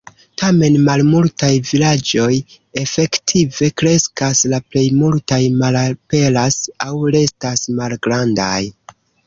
Tamen malmultaj vilaĝoj efektive kreskas, la plej multaj malaperas aŭ restas malgrandaj.